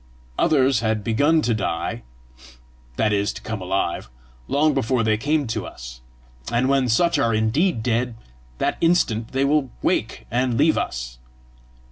Others had begun to die, that is to come alive, long before they came to us; and when such are indeed dead, that instant they will wake and leave us.